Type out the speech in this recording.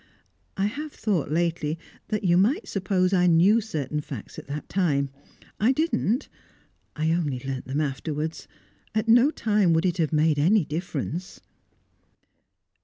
I have thought, lately, that you might suppose I knew certain facts at that time. I didn't; I only learnt them afterwards. At no time would it have made any difference."